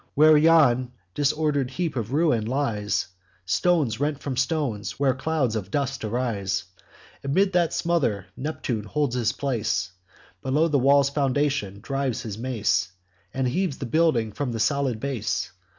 Where yon disorder'd heap of ruin lies, Stones rent from stones; where clouds of dust arise, Amid that smother Neptune holds his place, Below the wall's foundation drives his mace, And heaves the building from the solid base.